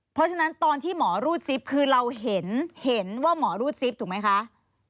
เพราะฉะนั้นตอนที่หมอรูดซิปคือเราเห็นเห็นว่าหมอรูดซิปถูกไหมคะ